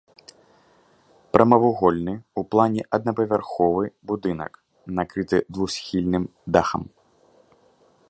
Прамавугольны ў плане аднапавярховы будынак, накрыты двухсхільным дахам.